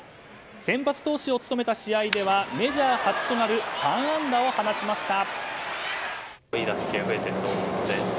先発投手を務めた試合ではメジャー初となる３安打を放ちました。